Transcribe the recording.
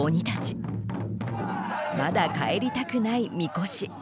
まだ帰りたくない神輿。